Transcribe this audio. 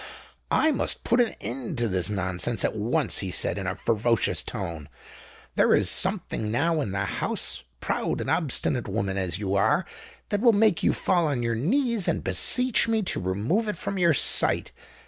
"I must put an end to this nonsense at once," he said, in a ferocious tone. "There is something now in the house, proud and obstinate woman as you are—that will make you fall on your knees and beseech me to remove it from your sight.